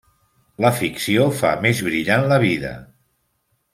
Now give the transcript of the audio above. La ficció fa més brillant la vida.